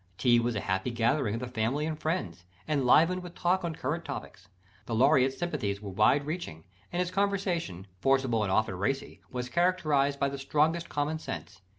Tea was a happy gathering of the family and friends, enlivened with talk on current topics. The Laureate's sympathies were wide reaching, and his conversation, forcible and often racy, was characterised by the strongest common sense.